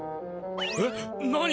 えっ何何？